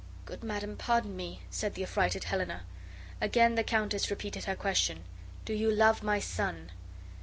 "Good madam, pardon me," said the affrighted Helena. Again the countess repeated her question. "Do you love my son?"